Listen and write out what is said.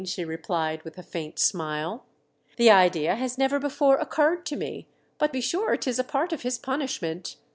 she replied, with a faint smile. " The idea has never before occurred to me, but be sure 'tis a part of his punishnient.